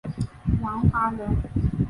王华人。